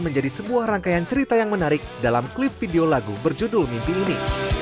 menjadi sebuah rangkaian cerita yang menarik dalam klip video lagu berjudul mimpi ini